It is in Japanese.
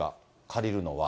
借りるのは。